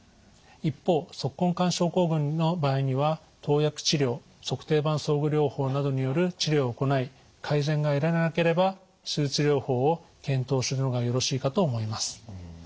一方足根管症候群の場合には投薬治療足底板装具療法などによる治療を行い改善が得られなければ手術療法を検討するのがよろしいかと思います。